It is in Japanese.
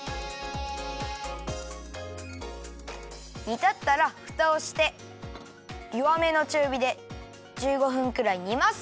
煮たったらフタをしてよわめのちゅうびで１５分くらい煮ます。